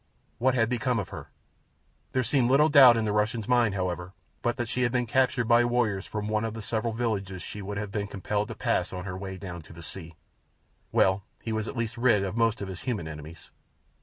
What had become of her? There seemed little doubt in the Russian's mind, however, but that she had been captured by warriors from one of the several villages she would have been compelled to pass on her way down to the sea. Well, he was at least rid of most of his human enemies.